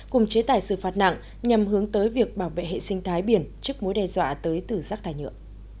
cùng chế tài xử phạt nặng nhằm hướng tới việc bảo vệ hệ sinh thái biển trước mối đe dọa tới từ rác thải nhựa